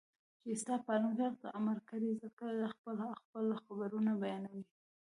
چې ستا پالونکي هغې ته امر کړی زکه خپل خپل خبرونه بيانوي